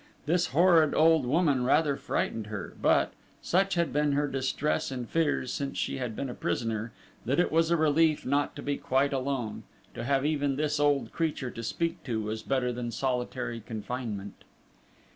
This horrid old woman rather frightened her; but, such had been her distress and fears since she had been a prisoner, that it was a relief not to be quite alone; to have even this old creature to speak to was better than solitary confinement.